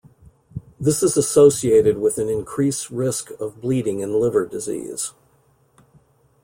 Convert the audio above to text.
This is associated with an increase risk of bleeding in liver disease.